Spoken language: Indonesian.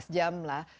dua belas jam lah